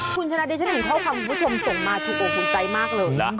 คุณฉนาเดชนียเพราะความคุณผู้ชมส่งมาถูกโอคงใจมากเลยนะ